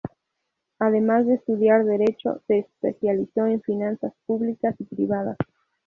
Además de estudiar derecho, se especializó en finanzas públicas y privadas.